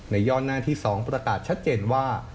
ย่อหน้าที่๒ประกาศชัดเจนว่า